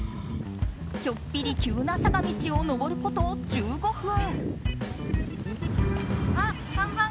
ちょっぴり急な坂道を上ること１５分。